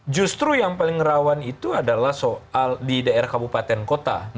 justru yang paling rawan itu adalah soal di daerah kabupaten kota